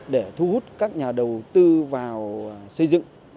để thu hút các nhà đầu tư vào xây dựng